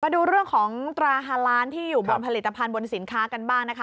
ดูเรื่องของตราฮาล้านที่อยู่บนผลิตภัณฑ์บนสินค้ากันบ้างนะคะ